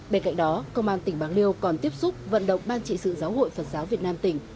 bên cạnh đó công an tỉnh bạc liêu còn tiếp xúc vận động ban trị sự giáo hội phật giáo việt nam tỉnh